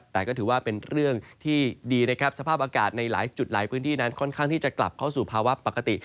แต่ก็ถือว่าเป็นเรื่องที่ดีนะครับสภาพอากาศในหลายจุดหลายพื้นที่นั้นค่อนข้างที่จะกลับเข้าสู่ภาวะปกติ